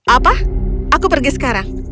apa aku pergi sekarang